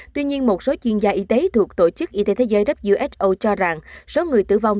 tuy nhiên một số chuyên gia y tế thuộc tổ chức y tế thế giới who cho rằng số người tử vong